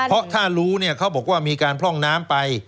เพราะถ้ารู้เนี่ยเขาบอกว่ามีการพร่องน้ำไป